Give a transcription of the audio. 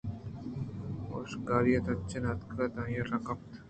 ءُشکاریءَتچانءَاتکءُ آئیءَرا گپت